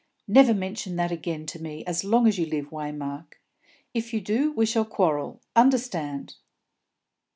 "Never mention that again to me as long as you live, Waymark. If you do, we shall quarrel, understand!"